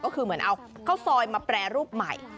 ก็คือเหมือนเอาข้าวซอยมาแปรรูปใหม่